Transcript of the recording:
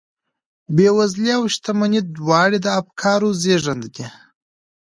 بېوزلي او شتمني دواړې د افکارو زېږنده دي